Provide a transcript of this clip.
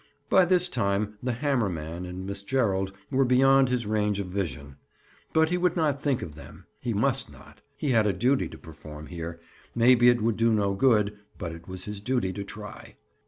By this time the hammer man and Miss Gerald were beyond his range of vision. But he would not think of them; he must not. He had a duty to perform here; maybe it would do no good, but it was his duty to try.